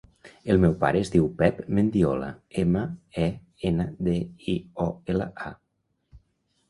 El meu pare es diu Pep Mendiola: ema, e, ena, de, i, o, ela, a.